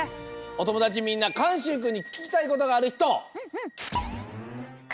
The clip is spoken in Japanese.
おともだちみんなかんしゅんくんにききたいことがあるひと？